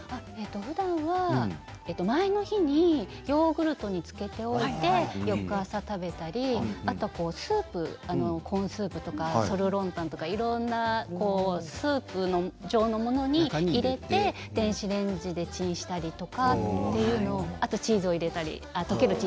ふだんは前の日にヨーグルトにつけておいて翌朝食べたりあとスープコーンスープとかソルロンタンとかいろいろなスープ状のものに入れて電子レンジでチンしたりとかっていうのをあとチーズを入れたりあっ溶けるチーズを入れたり。